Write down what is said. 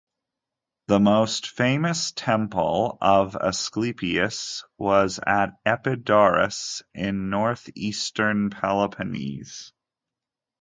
The most famous temple of Asclepius was at Epidaurus in north-eastern Peloponnese.